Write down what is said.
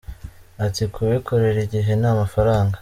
Ati” Ku bikorera igihe ni amafaranga.